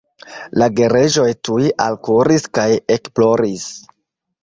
La gereĝoj tuj alkuris kaj ekploris.